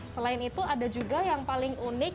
selain itu ada juga yang paling unik